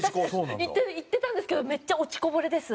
いってたんですけどめっちゃ落ちこぼれです。